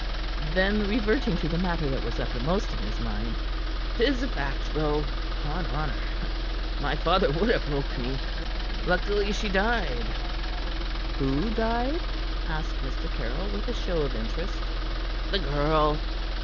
Then reverting to the matter that was uppermost in his mind. "'Tis a fact, though 'pon honor. My father would ha' broke me. Luckily she died." "Who died?" asked Mr. Caryll, with a show of interest. "The girl.